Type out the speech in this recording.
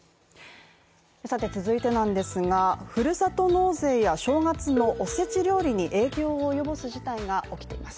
さて続いてなんですが、ふるさと納税や正月のおせち料理に影響を及ぼす事態が起きています。